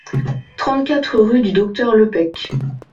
trente-quatre rue du Docteur Lepec